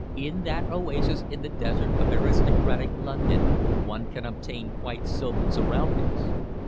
In that oasis in the desert of aristocratic London one can obtain quite sylvan surroundings.